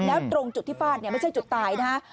แล้วตรงจุดที่ฟาดเนี่ยไม่ใช่จุดตายนะฮะ